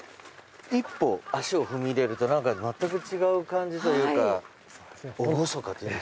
１歩足を踏み入れるとなんかまった違う感じというか厳かというか。